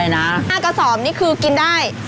หักเกษอมนี้คือกินได้